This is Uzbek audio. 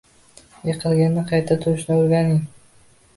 Yiqilganda qayta turishni o’rganing